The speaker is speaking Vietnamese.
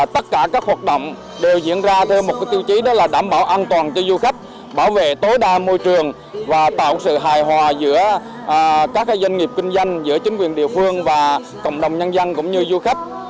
tất cả các hoạt động đều diễn ra theo một tiêu chí đó là đảm bảo an toàn cho du khách bảo vệ tối đa môi trường và tạo sự hài hòa giữa các doanh nghiệp kinh doanh giữa chính quyền địa phương và cộng đồng nhân dân cũng như du khách